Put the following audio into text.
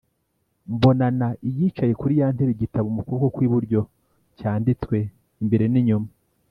Mbonana Iyicaye kuri ya ntebe igitabo mu kuboko kw’iburyo cyanditswe imbere n’inyuma,